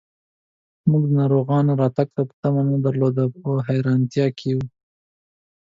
موږ د ناروغانو راتګ ته تمه نه درلوده، په حیرانتیا کې و.